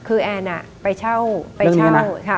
คือแอนไปเช่าเรื่องนี้นะ